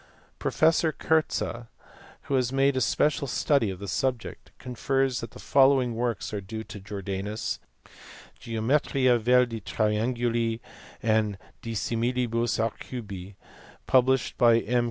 Prof. Curtze, who has made a special study of the subject, considers that the following works are due to Jordanus : Geometria vel de Triangulis and De Similibus Arcubis, published by M.